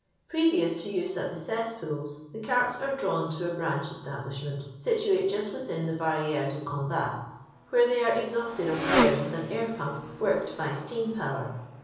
Prerioias to use at the oempodi, the certs ere drawn to a brsndi establishment, situate Just within the Bairiers dn Combati where thsgr are *iThanetad of sir with sn air pump, worioad by eteam power.